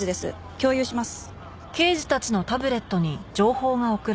共有します。